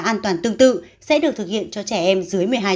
an toàn tương tự sẽ được thực hiện cho trẻ em dưới một mươi hai